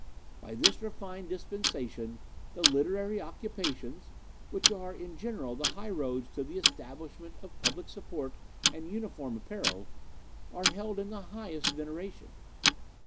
By this refined dispensation the literary occupations, which are in general the highroads to the Establishment of Public Support and Uniform Apparel, are held in the highest veneration.